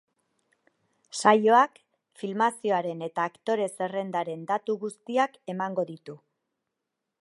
Saioak filmazioaren eta aktore zerrendaren datu guztiak emango ditu.